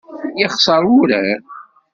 Yexṣeṛ wurar!